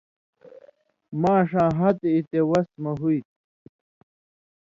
ماݜاں ہتہۡ یی تے وس مہ ہُوئ تھی،